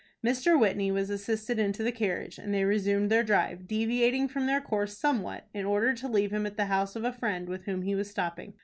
Mr. Whitney was assisted into the carriage, and they resumed their drive, deviating from their course somewhat, in order to leave him at the house of the friend with whom he was stopping.